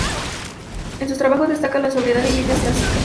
En sus trabajos destaca la sobriedad y líneas clásicas.